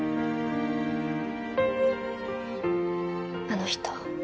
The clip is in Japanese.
あの人